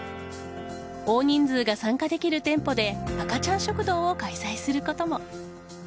大人数が参加できる店舗で赤ちゃん食堂を開催することも。